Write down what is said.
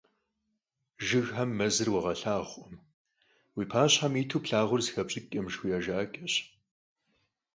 "Жыгхэм мэзыр уагъэлъагъукъым" — уи пащхьэ иту плъагъур зэхэпщӀыкӀкъым жыхуиӀэ жыӀэкӀэщ.